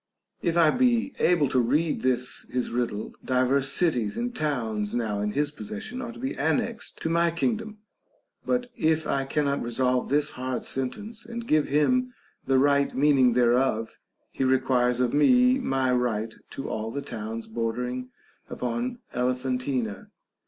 If I be able to read this his riddle, divers cities and towns now in his possession are to be annexed to my kingdom ; but if I cannot resolve this hard sentence, and give him the right meaning thereof, he requires of me my right to all the towns bordering upon Elephantina.